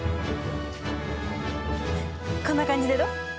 こんな感じでどう？